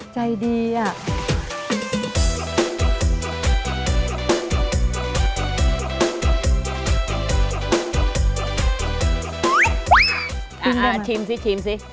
ชิมซิชิมซิ